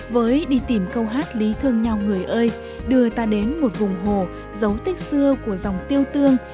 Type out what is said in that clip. với đi tìm câu hát lý thương nhau người ơi đưa ta đến một vùng hồ giấu tích xưa của dòng tiêu tương